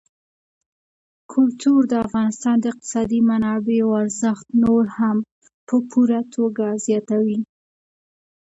کلتور د افغانستان د اقتصادي منابعو ارزښت نور هم په پوره توګه زیاتوي.